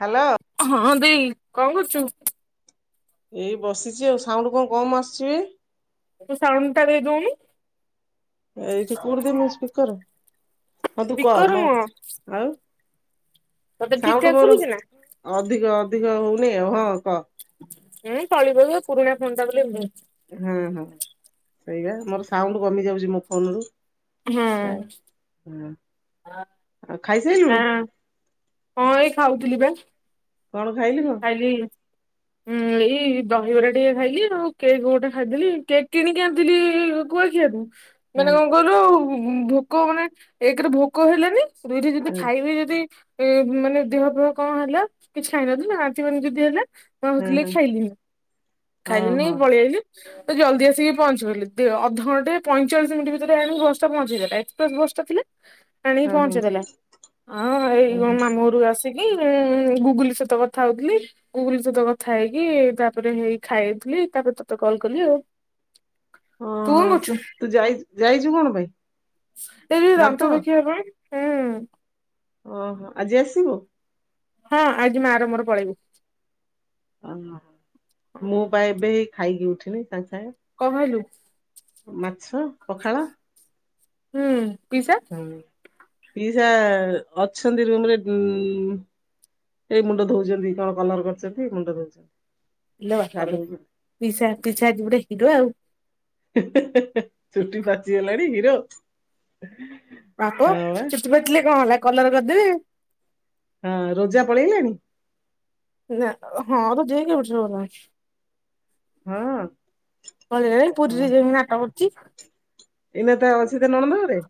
Hello. ହଁ ଦେଇ କଣ କରୁଚୁ? ଏଇ ବସିଛି ଆଉ ସାଉଣ୍ଡୁ କଣ କମ୍ ଆସୁଛି? ତୁ ସାଉଣ୍ଡୁ ଟା ଦେଇଦଉନୁ। ଏଇଠି କୋଉଠି ଦେବି ସ୍ପିକର। ହଁ ତୁ କ ସ୍ପିକର ମ ନୁହଁ ଆଉ? ତତେ ଠିକ୍ ସାଉଣ୍ଡୁ ଠାକ୍ ମୋର ଶୁଭୁଛି ନା? ଅଧିକ ଅଧିକ ହଉନି ଆଉ ହଁ କ। [unintelligible] ପୁରୁଣା ଫୋନ୍ ଟା ବୋଲି ଏମିତି ହଉଛି। ହୁଁ ହୁଁ ସେଇଆ ମୋର ସାଉଣ୍ଡୁ କମି ଯାଉଛି ମୋ ଫୋନ୍ ରୁ। ହଁ। ହୁଁ। ହଁ। ଆଉ ଖାଇ ସାଇ ଲୁୁଣୁ? ହଁ ଏଇ ଖାଉଥିଲି ବା। କଣ ଖାଇଲୁ ମ? [unintelligible] ହୁଁ ମ୍ ଏଇ ଦହିବରା ଟିକେ ଖାଇଲିି ଆଉ କେକ୍ ଗୋଟେ ଖାଇଦେଲି, କେକ୍ କିଣିକି ଆଣିଥିଲି କୁଆଖିଆ ରୁ ହଁ ମାନେ କଣ କହିଲୁ ଉ ଭୋକ ମାନେ ଏକେ ରେ ଭୋକ ହେଲାନି ଦୁଇ ରେ ଯଦି ହଁ ଖାଇବି ଯଦି ମାନେ ଦେହ ଫେହ କଣ ହେଲା କିଛି ଖାଇନଥିଲି ଲିନା ଆନ୍ତି ବାନ୍ତି ଯଦି ହେଲା ମୁଁ ଆଉ ହଁ ହେଥିଲାଗି ହଁ ଖାଇଲି ନି ହଁ ଖାଇଲି ନି ହଁ ପଳେଇ ଆଇଲି। ତ ଜଲ୍ଦି ଆସିକି ପହଞ୍ଚିଗଲି ଦେ ଅଧଘଣ୍ଟେ ପଇଁଚାଳିଶ ମିନିଟ୍ ଭିତରେ ଆଣିକି ବସ୍ ଟା ପହଞ୍ଚେଇ ଦେଲା ଏକ୍ସପ୍ରେସ ବସ୍ ଟା ଥିଲା। [inaudible] ଆଣିକି ହଁ ପହଞ୍ଚେଇ ଦେଲା ହଁ ଏଇ କଁ ମାମୁଁ ଘର ଆସିକି ଉଁ ଗୁଗୁଲି ସହିତ କ ଥା ହୋଉଥିଲି। ଗୁଗୁଲି ସହିତ କଥା ହେଇକି ତାପରେ ହେଇ ଖାଇଥିଲି ତାପରେ ତତେ କଲ୍ କଲି ଆଉ। ତୁ ଓହୋ କଣ କରୁଛୁ? ତୁ ଯାଇଚୁ ଯାଇଚୁ କଣ ପାଇଁ? ଏଇ। ଦାନ୍ତ [unintelligible] ପାଇଁ ହୁଁ। ଓହୋ ଆଜି ଆସିବୁ? ହଁ ଆଜି ମାଆର ମୋର ପଳେଇବୁ। ଆ ମୁଁ ବା ଏବେ ହେଇ ଖାଇକି ଉଠିଲି ସାଙ୍ଗେ ସାଙ୍ଗେ। କଣ ଖାଇଲୁ? ଉ ମାଛ, ପଖାଳ। ହୁଁ ପିଇସା? ଉଁ ପିଇସା ଅଛନ୍ତି ରୁମ୍ ରେ ବୁମ୍ ଏଇ ମୁଣ୍ଡ ଧୋଉଛନ୍ତି କଣ କଲର କରିଛନ୍ତି ମୁଣ୍ଡ ଧୋଉଛନ୍ତି। ଇଲୋ ବାପଲୋ ପିଇସା ପିଇସା ଆଜି ଗୋଟେ ହିରୋ ଆଉ। ଚୁଟି ପାଚି ଗଲାଣି ହିରୋ? [inaudible] ବାପ ବା ଚୁଟି ପାଚିଲେ କଣ ହେଲା କଲର କରିଦେବେ। ହଁ ରୋଜା ପଳେଇଲାଣି? ନା ହଁ ରୋଜା ଦେଇ କେବେଠାରୁ ଗଲାଣି। ହଁ। ପଳେଇଲାଣି ହଁ। ପୁରୀରେ ଯାଇକି ନାଟ କରୁଛି। ଏଇନା ତା ଅଛି ତା ନଣନ୍ଦ ଘରେ?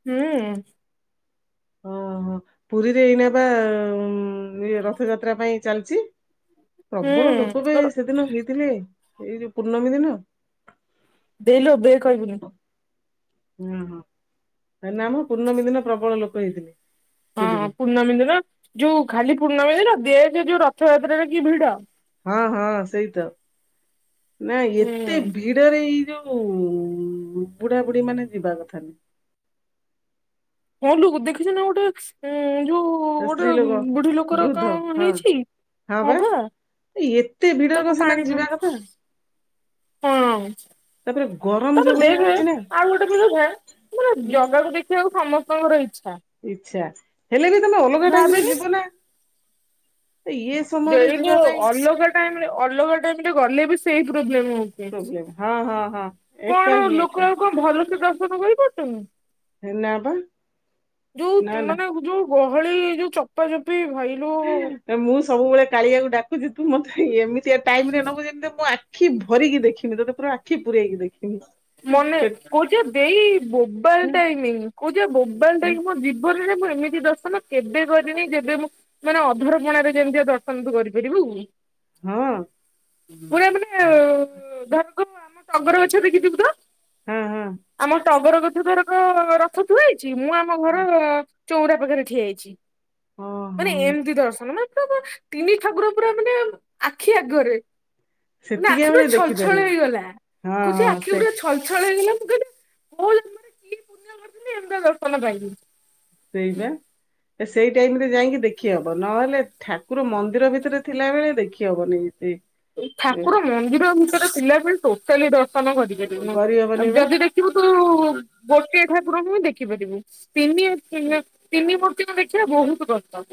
ହୁଁ। ଓହୋ ପୁରୀରେ ଏଇନା ବା ଉମ୍ ଇଏ ରଥଯାତ୍ରା ପାଇଁ ଚାଲିଛି। ପ୍ରବଳ ହୁଁ। ଲୋକ ବେ ତୋର ସେଦିନ ହେଇଥିଲେ ଏଇ ଯୋଉ ପୂର୍ଣ୍ଣମୀ ଦିନ। ଦେଇଲୋ ଦେ କହିବୁନି। ଉଁ ହୁଁ ଆ ନା ମ ପୂର୍ଣ୍ଣମୀ ଦିନ ପ୍ରବଳ ଲୋକ ହେଇଥିଲେ। ହଁ ପୁରୀରେ ପୂର୍ଣ୍ଣମୀ ଦିନ ଯୋଉ ଖାଲି ପୂର୍ଣ୍ଣମୀ ଦିନ ଦେଖେ ଯୋଉ ରଥଯାତ୍ରାରେ କି ଭିଡ଼। ହଁ ହଁ ସେଇତ ନା ୟେତେ ହୁଁ। ଭିଡ଼ରେ ଏଇ ଯୋଉ ଯୋଉ ବୁଢ଼ା ବୁଢ଼ୀ ମାନେ ଯିବା କଥା ନୁହଁ। ହଁ ଲୁ ଦେଖିଛୁ ନା ଗୋଟେ ଉଁ ଯୋଉ ସ୍ତ୍ରୀ ଗୋଟେ ଲୋକ ବୁଢ଼ୀ ଲୋକର ବୃଦ୍ଧ କଣ ହେଇଛି ହଁ ପା। ୟେତେ ଭିଡ଼ରେ ତାକୁ କଁ ପାଣି ସେମାନେ ଫାଣି ଯିବା କଥା? ହଁ। ତାପରେ ଗରମ୍ ତାପରେ ଦେଖେ ଆଉ ଗୋଟେ ବି କଥା ମାନେ ଜଗାକୁ ଦେଖିବାକୁ ସମସ୍ତଙ୍କର ଇଛା। ଇଛା ହେଲେ ବି ତମେ ଅଲଗା ଟାଇମରେ ଭାବେନି ଯିବ ନା ଏଇ ୟେସ୍ ଦେଇଲୋ ଅଲଗା ଟାଇମରେ ଅଲଗା ଟାଇମ ରେ ଗଲେ ବି ସେଇ ପ୍ରୋବ୍ଲେମ ହଉ ପ୍ରୋବ୍ଲେମ ହଁ ହଁ ହଁ ଏକା ହିଁ ଏକା। ଭଲ ସେେ ଦର୍ଶନ କରିପାରୁଛନ୍ତି ନା ବା ଯୋଉ ନା ତ୍ ନା ମାନେ ଯୋଉ ଗହଳି ଯୋଉ ଚପା ଚପି ଭାଇ ଲୋ। ମୁଁ ସବୁବେଳେ କାଳିଆକୁ ଡାକୁୁଚି ତୁ ମତେ ଏମିତିଆ ଟାଇମରେ ନବୁ ଯେମିତି ମୁଁ ଆ ଆଖି ଭରିକି ଦେଖିମି, ତୋତେ ପୁରା ଆଖି ପୁରେଇକି ଦେଖିମି। ମନେ କହୁଛି ବା ଦେଇ ବୋବାଲ ଟାଇମି, କଉଛି ବା ବୋବାଲ ପେ ଟାଇମି, ମୋ ଜୀବ ବନରେ ମୁଁ ଏମିତି ଦର୍ଶନ କେବେ କରିନି, ଯେବେ ମୁଁ ମାନେ ଅଧରପଣାରେ ଯେମିତିଆ ଦର୍ଶନ ତୁ କରିପାରିବୁ। ହଁ। ପୁରା ମାନେ ଧରକ ଆମ ଟଗର ଗଛରେ କିଛି ହଁ ହଁ। ଆମ ଟଗର ଗଛ ଧରକ ରଥ ଥୁଆ ହେଇଛି, ମୁଁ ଆମ ଘର ଚଉଁରା ପାଖରେ ଠିଆ ହେଇଛି। ଓହୋ ମାନେ ଏମତି ଦର୍ଶନ ମାନେ ପୁରା ପୁଆ ତିନି ଠାକୁର ପୁରା ମାନେ ଆଖି ଆଗରେ। ମାନେ ସେତିକି ଆଖି ବେଳେ ପୁରା ଛଳ ଛଳ ଦେଖିପାରିବୁ ହେଇଗଲା। ହଁ କହୁଛି ହଁ ଆ ସେ ଛଳଛଳ ହେଇଗଲା, ମୁଁ କହିଲି କୋଉ ଜନ୍ମରେ କି ପୂଣ୍ୟ କରିଥିଲି ଏମିତିଆ ଦର୍ଶନ ପାଇଲି। ସେଇବା। ସେଇ ଟାଇମରେ ଯାଇଁକି ଦେଖିହବ, ନହେଲେ ଠାକୁର ମନ୍ଦିର ଭିତରେ ଥିଲାବେଳେ ଦେଖିହବନି ଏତେ। ଠାକୁର ମନ୍ଦିର ଭିତରେ ଥିଲା ବେଳେ ଟୋଟାଲି ଦର୍ଶନ କରିହବନି କରିପାରିବୁନୁ। ବା ଯଦି ବି ଦେଖିବୁ ତୁ ଗୋଟିଏ ଠାକୁରଙ୍କୁୁ ହିଁ ଦେଖିପାରିବୁ। ତିନି, ତିନି, ତିନି ପଟୁ [unintelligible] ବହୁତ କଷ୍ଟ।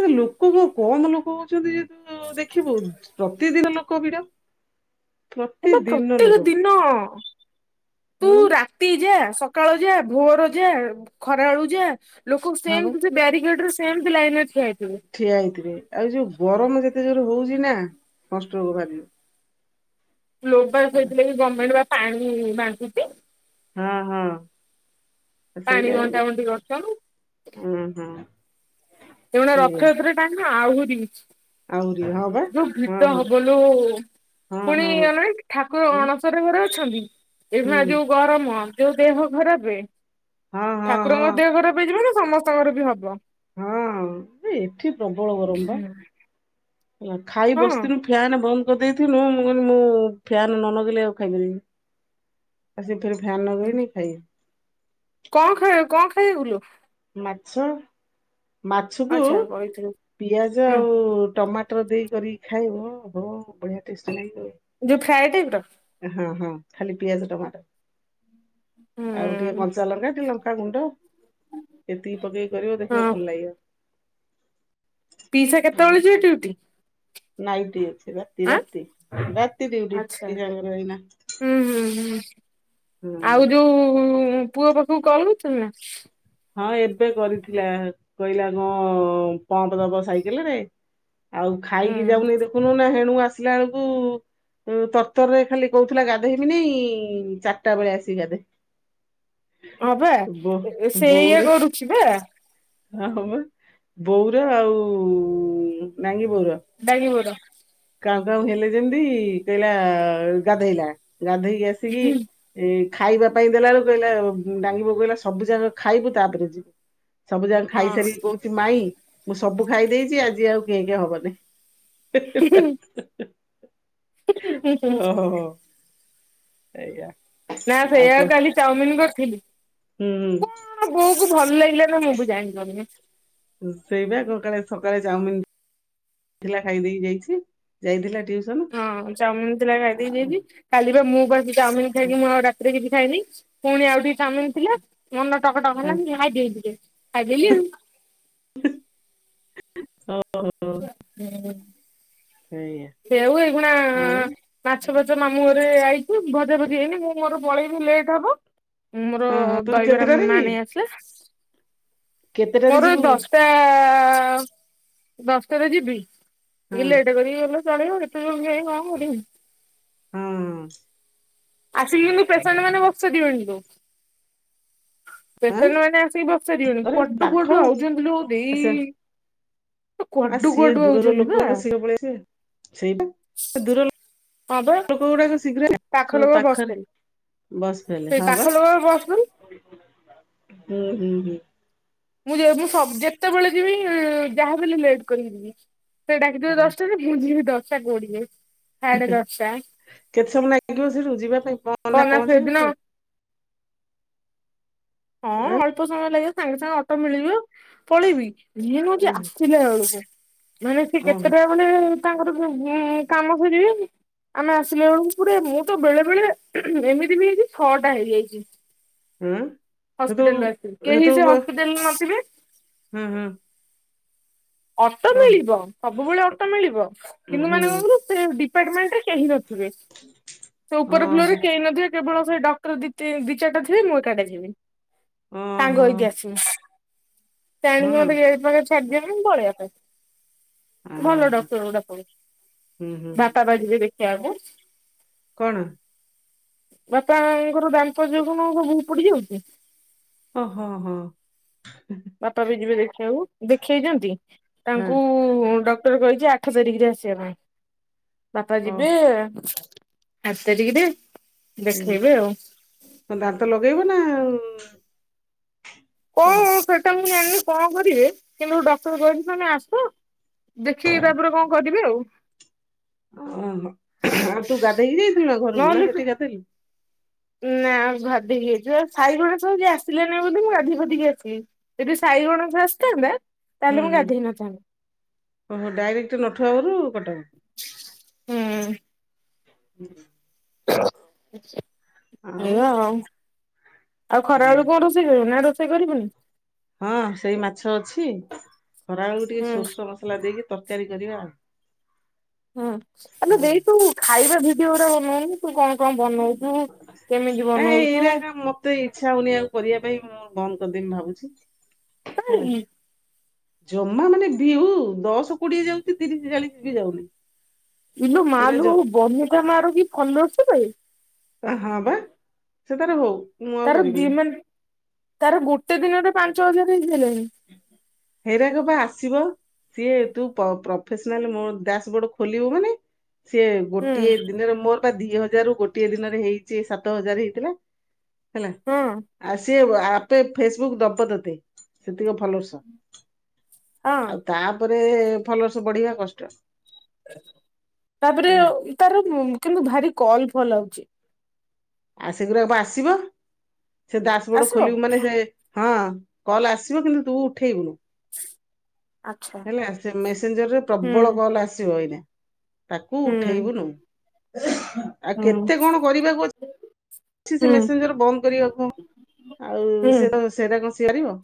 ଏ ଲୋକ କଣ କମ ଲୋକ ହଉଛନ୍ତି ଯେହେତୁ ଙ୍କୁ ଦେଖିବୁ ପ୍ରତିଦିନ ଲୋକ ଭିଡ, ହେଲେ ପ୍ରତିଦିନ ପ୍ରତ୍ୟେକ ଲୋକ। ଦିନ ତୁ ଉଁ? ରାତି ଯାଆ, ସକାଳ ଯାଆ, ଭୋର ଯାଆ, ଖରାବେଳୁ ଯାଆ, ଲୋକ ହଁ ବା ସେମତି ପଛେ ବ୍ୟାରିକେଡରୁ ସେମତି ଲାଇନରେ ଠିଆ ହେଇଥିବେ। ଠିଆ ହେଇଥିବେ। ଆଉ ଯୋଉ ଗରମ ଯେତେ ଜୋରେ ହଉଛି ନା ସନଷ୍ଟ୍ରୋକ୍ ବାହାରିଯିବ। ଗ୍ଲୋବାଲ କହିଥିଲେ କି ଗମେଣ୍ଟ ବା ପାଣି ବାଣ୍ଟୁଚି। ହଁ ହଁ, ତ ସେଇ ପାଣି ବଣ୍ଟା ଟାଇମରେ ବଣ୍ଟି କରୁଛନ୍ତି ହୁଁ ହୁଁ। ଏଗୁଡା ରଥଯାତ୍ରା ଟାଇମ୍ ନା ଆହୁରି ଆହୁରି ହଁ ବା ଯୋଉ ହଁ ଭିଡ ହଁ ହବଲୋ, ହଁ ପୁଣି ହଁ ଅନେଇ ଠାକୁର ହୁଁ ଅଣ ଶର ଘରେ ଅଛନ୍ତି, ଏ ହୁଁ ମା ଯୋଉ ଗରମ, ଯୋଉ ଦେହ ଖରାପେ ହଁ ହଁ ହଁ ଠାକୁରଙ୍କର ଦେହ ଖରାପ ହେଇଛି ମାନେ, ସମସ୍ତଙ୍କର ବି ହବ। ହଁ ଏଠି ପ୍ରବଳ ଗରମ ବା ହେଲା, ଖାଇ ହଁ ବସିଥିଲୁ ଫ୍ୟାନ୍ ବନ୍ଦ କରିଦେଇଥିନୁ, ମୁଁ କହିନି ମୁଁ ଫ୍ୟାନ ନ ନଗେଇଲେ ଆଉ ଖାଇପାରିବିନି। ଆସି ଫେରେ ଫ୍ୟାନ ନଗେଇନି ଖାଇବି। କଣ ଖାଇବା କଣ ଖାଇବୁ ଲୋ? ମାଛ। ମାଛକୁ, ଆଚ୍ଛା କହିଥିଲୁ ପିଆଜ ହୁଁ ଆଉ ଟମାଟ ଟର ଦେଇ କରିକି ଖାଇବ, ଓହୋ ବଢ଼ିଆ ଟେଷ୍ଟ ଲାଗିବ। ଯୋଉ ଫ୍ରାଏ ଟାଇପର? ହଁ ହଁ, ଖାଲି ପିଆଜ, ଟମାଟୋ। ଆଉ ଟିକେ ହୁଁ କଞ୍ଚା ଲଙ୍କା, ଟିକେ ଲଙ୍କାଗୁଣ୍ଡ ଏତିକି ପକେଇ କରିବ ଦେଖିବ ହଁ ଭଲ ଲାଗିବ। ପିଇସା କେତେବଳେ ଯିବେ ଡ୍ୟୁଟି? ନାଇଟି ଅଛି ରାତି ଆଁ ରାତି। ରାତି ଡ୍ୟୁଟି ଆଚ୍ଛା। ଦିନଯାକର ଏଇନା। ହୁଁ, ହୁଁ, ହୁଁ। ଆଉ ହୁଁ ଯୋଉ ପୁଅ ପାଖକୁ କଲ କରୁଥିଲୁ ନା? ହଁ ଏବେ କରିଥିଲା, କହିଲା କଣ ପମ୍ପ ଦବ ସାଇକେଲରେ ଆଉ ଖାଇକି ହୁଁ। ଯାଉନେଇ ଦେଖୁନୁ ନା, ହେଣୁ ଆସିଲା ବେଳକୁ ତରତରରେ ଖାଲି କହୁଥିଲା ଗାଧୋଇବିନେଇ, ଚାରଟା ବେଳେ ଆସିକି ଗାଧୋଇବି। ହଁ ବା, ସେଇଆ ବୋଉର କରୁଛି ବା। ହଁ ହବ, ବୋଉର ଆଉ ନାଙ୍ଗି ବୋଉର ଡାଙ୍ଗି ବୋଉର? କାଉଁ କାଉଁ ହେଲେ ଯେନ୍ତି କହିଲା ଗାଧେଇଲା। ଗାଧେଇକି ଆସି ଆସିକି ଏ ଖାଇବା ପାଇଁ ଦେଲା ବେଳକୁ କହିଲା, ଡାଙ୍ଗି ବୋଉ କହିଲା ସବୁ ଯାକ ଖାଇବୁ ତାପରେ ଯିବୁ। ସବୁ ଯାକ ହଁ। ଖାଇସାରିକି କହୁଛି ମାଇଁ ମୁଁ ସବୁ ଖାଇ ଦେଇଛି ଆଜି ଆଉ କେଁ କେଁ ହବନି। ହଁ, ହଁ। ସେଇଆ। ନା ସେଇଆ କାଲି ଚାଉମିନ କରିଥିଲି। ହୁଁ ହୁଁ। ଆ ବୋଉ କୁ ଭଲ ଲାଗିଲା ନା ମୁଁ ବି ଜାଣିପାରୁନି। ସେଇ ବା କାଳେ ସକାଳେ ଚାଉମିନଥିଲା ଖାଇଦେଇକି ଯାଇଛି ଯାଇଥିଲା ଟିଉସନ ହଁ ଚାଉମିନ ଥିଲା ଖାଇଦେଇ ଆଉ ଯାଇଛି କାଲି ବା ମୁଁ ବା ଚାଉମିନ ଖାଇକି ମୁଁ ଆଉ ରେ କିଛି ଖାଇନି ପୁଣି ଆଉ ଟିକେ ଚାଉମିନ ଥିଲା ମନ ଟକଟକ ହେଲା ଖାଇ ଦେଲି। ଖାଇଦେଲି ଆଉ। ସେଇଆ ସେ ଆଉ ଏଗୁଡା। ଆଉ ମାଛ ଫାଛ ମାମୁଁ ଘରେ ଆଣିଛୁ ଭଜା ଭଜି ହେଇନି ମୁଁ ମୋର ପଳେଇବି ଲେଟ୍ ହବ। ମୋର ହଁ ହଁ ତୋର ଦହିବରା କେତେଟାରେ କି ମାଆ ନେଇ ଆସିଲେ। କେତେଟାରେ ମୋର ଯିବୁ ଦଶଟା ଦଶଟାରେ ଯିବି ହଁ ଟିକେ ଲେଟ କରିକି ଗଲେ ଚଳିବ ଏତେ ଜଲଦି ଯାଇକି କଣ କରିବି। ହୁଁ। ଆସିକି କିନ୍ତୁ ପପେସେଣ୍ଟ ମାନେ ବସିଥିବେ ହେଇଠୁ। ଆଁ ପେସେଣ୍ଟ ମାନେ ଆସିକି ବସିସରିଥିବେ ତୋର କୁଆଡୁ ପାଖ କୁଆଡୁ ଆଉଛନ୍ତିଲ ଦେଇ। ଆସ ଆ କୁଆଡୁ ସିଏ କୁଆଡୁ ଦୂରର ଆଉଛନ୍ତି ବା ଲୋକ ସିଏ ପଳେଇ ଆସିବେ ସେଇଟା ଦୂର ହଁ ବା ଲୋକ ଗୁଡ଼ାକ ଶୀଘ୍ର ପାଖ ତ ଲୋକ ପାଖରେ ବସିଥିଲେ ବସି ପଡ଼ିଲେ ସେଇ ହଁ ପାଖ ବା। ଲୋକ ବସିଥିଲେ ହୁଁ, ହୁଁ, ହୁଁ। ମୁଁ ମୁଁ ଯେତେବେଳେ ଯିବି ଯାହାବି ହେଲେ ଲେଟ୍ କରିକି ଯିବି ସେ ଡ଼ାକିଥିବେ ଦଶଟାରେ ମୁଁ ଯିବି ଦଶଟା କୋଡ଼ିଏ। କେତେ ସମୟ ଲାଗିବ ସେଠୁ ଯିବା ପାଇଁ କଣ ନା ସେଦିନ ପହଞ୍ଚିବାକୁ ହଁ ଆଁ ଅଳ୍ପ ସମୟ ଲାଗିବ ସାଙ୍ଗେ ସାଙ୍ଗେ ଅଟୋ ମିଳିବ ପଳେଇବି ଯିଏ ପିଲା ବେଳୁ ସେ ମାନେ ସେ ଓହୋ କେତେଟା ମାନେ ତାଙ୍କର କାମ ସରିଯାଇଛି। ଆମେ ଆସିଲା ବେଳକୁ ପରେ ମୁଁ ତ ବେଳେ ବେଳେ ଏମିତି ବି ହେଇଛି ଛଅଟା ହେଇଯାଇଛି। ହୁଁ। ହସ୍ପିଟାଲରୁ ଆସିବି କେହି ସେ ହସ୍ପିଟାଲରେ ନଥିବେ ହୁଁ ହୁଁ ଅଟୋ ମିଳିବ ସବୁବେଳେ ଅଟୋ ମିଳିବ ହୁଁ ହନ୍ଦୁ ହୁଁ ମାନଙ୍କରୁ ସେ ଡିପାର୍ଟମେଣ୍ଟ ରେ କେହି ନଥିବେ ସେ ଓ ଉପର ଫ୍ଲୋର ରେ ହୁଁ କେହି ନଥିବେ। କେବଳ ସେଇ ଡକ୍ର ଦି ଦି ଚାରିଟା ଥିବେ ମୁଁ ଏକାଟେ ଯିବି ଓହୋ ସାଙ୍ଗ ଓହୋ ହେଇକି ଆସିବି। ତଣିକି ହଁ ମତେ ଏ ପାଖରେ ଛାଡିଦିବେ ପଳେଇଆ ପାଇଁ। ଭଲ ହଁ ଡକ୍ଟର ଗୋଡା ପ ହୁଁ ହୁଁ ହୁଁ। ଭାଟା ବାଜିରେ ଦେକହିବାକୁ। କଣ? ବାପାଙ୍କର ଦାମ୍ପତ୍ୟ କଣ ସବୁ ପଡିଯାଉଛି। ହଁ ହଁ ହଁ। ବାପା ବି ଯିବେ ଦେଖିବାକୁ ଦେଖେଇଛନ୍ତି ହଁ ତାଙ୍କୁ ଡକ୍ଟର କହିଛି। ଆଠ ତାରିଖରେ ଆସିବା ପାଇଁ ବାପା ଓ ଯିବେ ଆଠ ତାରିଖରେ। ଦେଖେଇବେ ଆଉ। ହ ଦାାନ ତ ଲଗେଇବ ନା ଆଉ। କଣ ସେଇଟା ମୁଁ ଜାଣିଲି କଣ କରିବି କିନ୍ତୁୋ ଡକ୍ଟର କହଛନ୍ତି ତମେ ଆସ। ଦେଖିକି ତାପରେ କଣ କରିବି ଆଉ। ଓୋ ଆଉ ତୁ ଗାଧେଇକି ଯାଇଥିଲୁ ନା ଘରକୁ ନା ନହେଲେ ସେଠି ଗାଧେଇଲୁ। ନା ଗାଧୋଇିକି ଯାଇଛିଉ ସାଇଘଣ ତ ଯଏ ଆସିଲୋନି ବୋଲି ମୁଁ ଗାଧୋଇିୋଧିକି ଆସିବି। ଯଦି ସାଇଗଣଙ୍କ ଆସିଥାନ୍ତା ହୁଁ ତାହେଲେ ମୁଁ ହୁଁ ଗାଧେଇଇ ନଥାନ୍ତି। ଓହୋ ଡାଇରେକ୍ଟ ନଠୁ ଆବରୁ କଟକ। ହୁଁ ହୁଁ। ଏଇଆ ଆଉ ଆଉ ହୁଁ। ଖରାବେଳକୁ କଣ ରୋ ରୋଇ କରିବୁ ନା ରୋଷେଇ କରିବୁନି? ହଁ ସେଇ ମାଛ ଅଛି ଖରାବେଳକୁ ଟିକେ ହୁଁ ସୋରିଷ ମସଲା ଦେଇକି ତରକାରୀ କରିବା ଆଉ। ହୁଁ ଆଲେ ହଁ। ଦେଇ ତୁ ଖାଇବା ଭିଡିଓ ଗୁରା ବନଉନୁ ତୁ କଣ କଣ ବନଉ ଚୁ କେମିତି ବନଉଛୁ। ତ ଇଚ୍ଛା ହଉନି ଆଉ କରିବା ପାଇଁ ମୁଁ ବନ୍ଦ କରିଦେମି ଭାବୁଛି ହେଲା। ଜମା ମାନେ ଭିଉ ଦଶ କୋଡିଏ ଯାଉଛି ତିରିଶ ଚାଳିଶ ବି ଯାଉନି। ଇଲୋ ଏରା ଜ ମାଲୋ ବନିତା ମାର କି ଫଲର୍ଷ ବେ। ହଁ ବା ସେ ତାର ହଉ। ମୁଁ ଆଉ ତାର କରିବିନି। ଦିମାନ ତାର ଗୋଟେ ଦିନରେ ପାଞ୍ଚ ହଜାର ହେଇସାରିଲେଣି। ହେଇରାକ ପା ଆସିବ ସିଏ ତୁ ପ୍ରଫେସନାଲି ମୋ ଡ୍ୟାସ ବୋର୍ଡ ଖୋଲିବୁ ମାନେ ସିଏ ହୁଁ ଗୋଟିଏ ଦିନରେ ମୋର ବା ଦି ହଜାରରୁ ଗୋଟିଏ ଦିନରେ ହେଇଛି ସାତ ହଜାର ହେଇଥିଲା ହେଲା। ହଁ। ଆ ସିଏ ଆପେ ଫେସବୁକ୍ ଦବତତେ। ସେତିକ ଫଲର୍ସ ହଁ। ଆଉ ତାପରେ ଫଲର୍ସ ବଢିବା କଷ୍ଟ। ତାପରେ ହେଲା ତାର କିନ୍ତୁ ଭାରି କଲ୍ ଫଲ୍ ଆଉଛି। ଆ ସେଗୁଡ଼ାକପା ଆସିବ ସେ ଦାସ ବୋଡ ଆସିବ? ଖୋଲିବୁ ମାନେ ସେ ହଁ କଲ ଆସିବ କିନ୍ତୁ ତୁ ଉଠେଇବୁନୁ। ହ ହେଲା ସେ ମେସେଞ୍ଜରରେ ହୁଁ ପ୍ରବଳ କଲ୍ ଆସିବ ଏଇନା ତାକୁ ହୁଁ ଉଠେଇବୁନୁ। ଆଉ ହୁଁ କେତେ କଣ କରିବାକୁ ଅଛି। ଅଛି ସେ ହୁଁ ମେସେଞ୍ଜର ବନ୍ଦ କରିବା କୁ ଆଉ ସେ ହୁଁ। ସେଡା କଣ ସିଆାରିବ।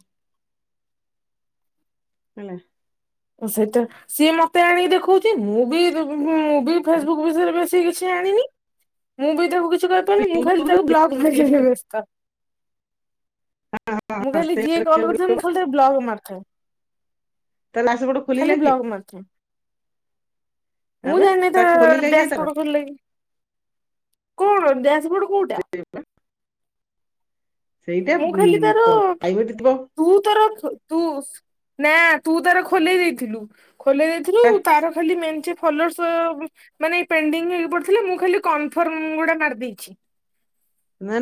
ହେଲା। ସେଇଟା ସିଏ ମତେ ଆଣିକି ଦେଖଉଛି ମୁଁ ବି ବି ଫେସବୁକ୍ ବିଷୟରେ ବେଶୀ କିଛି ଆଣିନି ମୁଁ ବି ତାକୁ କି କିଛି ତୁ କରିପାରୁନି ମୁଁ ଖାଲି ୟୁଟ୍ୟୁବରୁ ତ ବ୍ଲକ୍ ମାରିବାରେ ବେସ୍ତ ମୁଁ ଖାଲି ଯିଏ ସେଇଟା କଲ୍ କରିବାକୁ କରିଥା ମୁଁ ପଡିବ। ଖାଲି ବ୍ଲକ ମାରୁଥାଏ। ତାଲାକ ସେପଟୁ ଖାଲି ବ୍ଲଗ ମାରୁଥୁନି। ମୁଁ ଆବେ ଜାଣୀନେଇ ତା ତାକୁ ଖୋଲିଲା କିଏ ତାର ଡ୍ୟାସପୋଟ ଖୋଲିଲାକି କଣ ଡ୍ୟାସ୍ ବୋର୍ଡ କୋଉ ସେ ପା ସେଇଟା ମୁଁ ଖାଲି ତାର ପ ପ୍ରାଇଭେଟ ଥିବ। ତୁ ତାର ତୁ ନା ତୁ ତାର ଖୋଲେଇ ଦେଇଥିଲୁ। ଖୋଲେ ଦେଇଥିଲୁ ତାର ଖାଲି ମେଞ୍ଚେ ଫୋଲୋର୍ଷ ମାନେ ପେଣ୍ଡିଙ୍ଗ ହେଇକି ପଡ଼ିଥିଲେ ମୁଁ ଖାଲି କନଫ୍ରମ୍ ଗୁଡ଼ା ମାରିଦେଇଛି।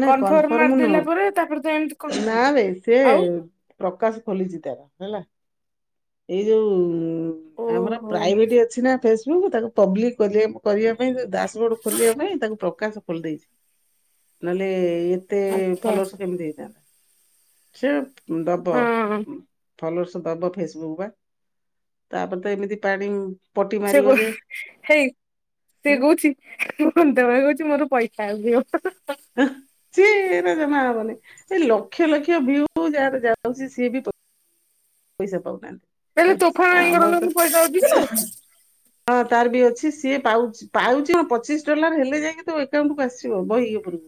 କନଫର୍ମ ମାରିଦଲା ପରେ ତାପରେ ତ ଏମିତି କଣ ନାବେ ସେ ଆଉ ପ୍ରକାଶ ଖୋଲିଛି ତାର ହେଲା। ଏଇ ଯୋଉ ଆମର ଓହୋ ପ୍ରାଇଭେଟ ଅଛି ନା ଫେସବୁକ୍ ତାକୁ ପବ୍ଲିକ କଲେ କରିବା। ପାଇଁ ଦାସ ବୋଡ ଖୋଲିବା ପାଇଁ ତାଙ୍କୁ ପ୍ରକାଶ ଖୋଲି ଦେଇଛି। ନହେଲେ ଏତେ ଆଚ୍ଛା ଫଲର୍ସ କେମିତି ହେଇଥାନ୍ତା। ଦବ। ହଁ ଫଲୋର୍ସ ଦବ ଫେସବୁକ୍ ପା। ତାପରେ ତ ଏମିତି ପାଣି ପଟି ସେ ମାରିବ ଗୁ ଯେ ହେଇ ସିଏ ଆଁ କହୁଛି ମୁ ଖନ୍ଦେ ଭାଇ କହୁଛି ମୋର ପଇସା ଆସିବ। ସିଏ ଏଇଟା ଜମା ହବନି ଏଇ ଲକ୍ଷ ଲକ୍ଷ ଭିଉ ଯାହାର ଯାଉଛି ସିଏ ବି ପଇସା ପାଉନାହାନ୍ତି। ହେଲେ ତୋଫାନ ଭାଈଙ୍କର ଆମର ତ କଣ ପଇସା ରଖିଥିଲୁ? ହଁ ତାର ବି ଅଛି ସିଏ ପାଉଚି ପାଉଛି କଣ ପଚିଶ ଡଲାର ହେଲେ ଯାଇକି ତୋ ଏକଉଣ୍ଟକୁ ଆସିବ ବହି ଉପୁରକୁ।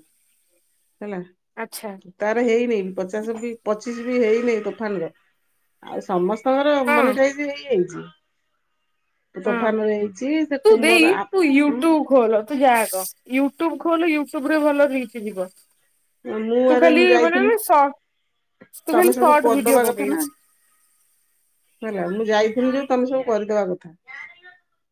ହେଲା। ଆଚ୍ଛା। ତାର ହେଇନି ପଚାଶ ବି ପଚିଶ ବି ହେଇନିଁ ତୋଫାନର। ଆଉ ସମସ୍ତଙ୍କର ହଁ ମନିଟାଇଯ ବି ହେଇଯାଇଛି। ତୋଫାନ ର ହେଇଛି ସେ ତୁ କୁମର ଦେଇ ଆ ତୁ ଉଁ ୟୁଟ୍ୟୁବ ଖୋଲ ତୁ ଯାହାକ ୟୁଟୁବ ଖୋଲ ୟୁଟୁବରେ ଭଲ ରିଚ ଯିବ। ମୁଁ ତୁ ଆରେ ଖାଲି ମୁଁ ମାନେ ଯାଇଥିଲି ମାନ ସର୍ଟ ତୁ ତମେ ଖାଲି ସବୁ ସର୍ଟ ଭିଡିଓ କରିଦବା କଥା ନା ପକେଇବୁ। ହେଲା ମୁଁ ଯାଇଥିଲି ଯୋଉ ତମେ ସବୁ କରିଦବା କଥା।